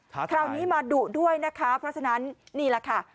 คราวนี้มาดุด้วยนะคะเพราะฉะนั้นนี่แหละค่ะ